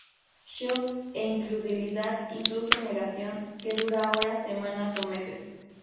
Shock e incredulidad, incluso negación, que dura horas, semanas o meses.